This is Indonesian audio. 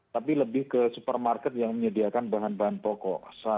tapi lebih ke supermarket yang menyediakan bahan bahan pokok